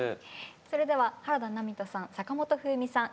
それでは原田波人さん坂本冬美さん